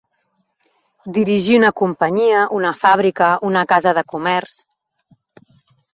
Dirigir una companyia, una fàbrica, una casa de comerç.